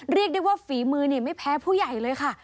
เรียกได้ว่าฝีมือนี่ไม่แพ้ผู้ใหญ่เลยค่ะ